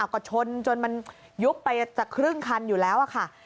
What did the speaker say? ก็ชนจนมันยุบไปจะครึ่งคันอยู่แล้วค่ะ